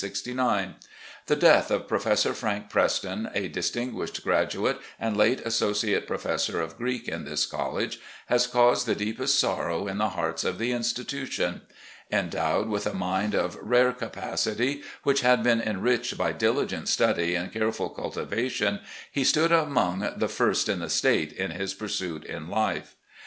" The death of Professor Frank Preston, a dist ing uis h ed graduate, and late Associate Professor of Greek in this college, has caused the deepest sorrow in the hearts of the institution. "Endowed with a mind of rare capacity, which had been enriched by diligent study and cardul cultivation, THE NEW HOME IN LEXINGTON 375 he stood among the first in the State in his pursuit in life.